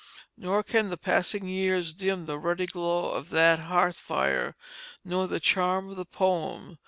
Nor can the passing of years dim the ruddy glow of that hearth fire, nor the charm of the poem.